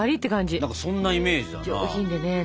何かそんなイメージだな。